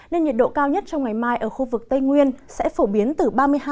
nên nhiệt độ cao nhất trong ngày mai ở khu vực tây nguyên sẽ phổ biến từ ba mươi hai